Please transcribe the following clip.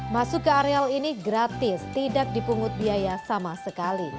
masuk ke areal ini gratis tidak dipungut biaya sama sekali